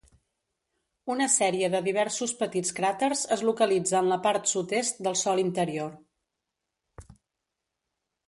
Una sèrie de diversos petits cràters es localitza en la part sud-est del sòl interior.